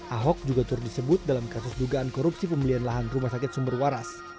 ahok juga turut disebut dalam kasus dugaan korupsi pembelian lahan rumah sakit sumber waras